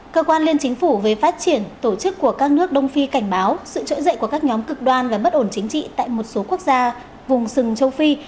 cơ quan liên chính phủ về phát triển tổ chức của các nước đông phi cảnh báo sự trỗi dậy của các nhóm cực đoan và bất ổn chính trị tại một số quốc gia vùng sừng châu phi